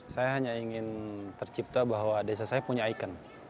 saya hanya ingin tercipta bahwa desa saya punya icon